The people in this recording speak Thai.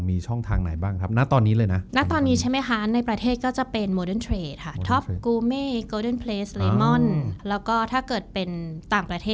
มีช่องทางไหนบ้างนะตอนนี้เลยนะ